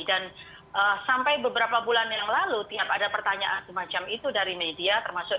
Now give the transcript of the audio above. dan sampai beberapa bulan yang lalu tiap ada pemerintah yang mendorong mereka mendekatkan pemerintah dengan para ahli